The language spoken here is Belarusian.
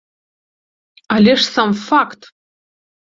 Але ж сам факт!